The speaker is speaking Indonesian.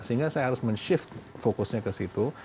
sehingga saya harus men shift fokusnya ke situ